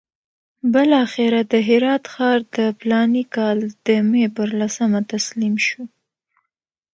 بالاخره د هرات ښار د فلاني کال د مې پر لسمه تسلیم شو.